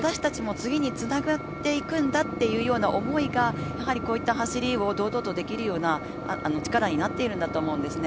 次につながっていくんだというような思いがやはりこういった走りを堂々とできるような力になっているんだと思うんですね。